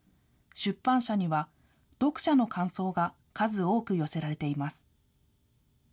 出版社には、読者の感想が数多く寄せられています。